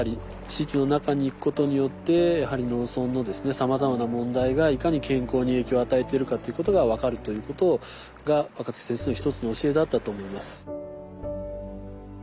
地域の中に行くことによってやはり農村のさまざまな問題がいかに健康に影響を与えているかということが分かるということが若月先生の一つの教えだったと思います。